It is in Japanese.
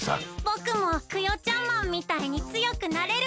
ぼくもクヨちゃんマンみたいに強くなれるかな？